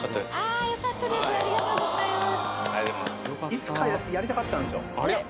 いつかやりたかったんですよ